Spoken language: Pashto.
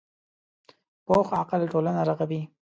پوخ عقل ټولنه رغوي